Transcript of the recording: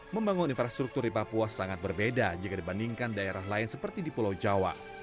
membangun infrastruktur di papua sangat berbeda jika dibandingkan daerah lain seperti di pulau jawa